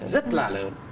rất là lớn